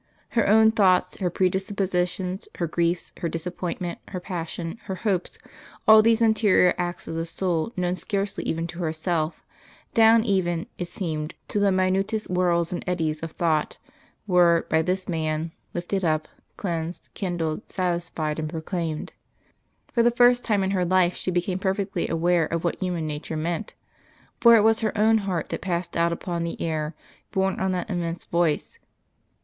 Her own thoughts, her predispositions, her griefs, her disappointment, her passion, her hopes all these interior acts of the soul known scarcely even to herself, down even, it seemed, to the minutest whorls and eddies of thought, were, by this man, lifted up, cleansed, kindled, satisfied and proclaimed. For the first time in her life she became perfectly aware of what human nature meant; for it was her own heart that passed out upon the air, borne on that immense voice.